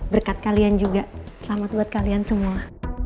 berkat kalian juga selamat buat kalian semua